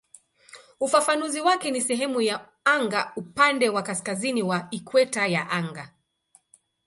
Ufafanuzi wake ni "sehemu ya anga upande wa kaskazini wa ikweta ya anga".